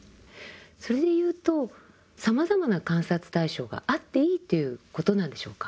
それでいうとさまざまな観察対象があっていいということなんでしょうか？